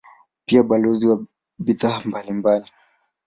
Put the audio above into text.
Pia ni balozi wa bidhaa mbalimbali.